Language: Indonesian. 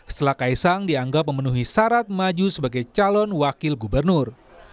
setelah kaisang dianggap memenuhi syarat maju sebagai calon wakil gubernur